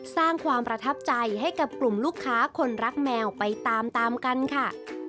สร้างความประทับใจให้กับกลุ่มลูกค้าคนรักแมวไปตามตามกันค่ะ